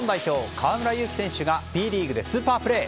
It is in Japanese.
河村勇輝選手がＢリーグでスーパープレー。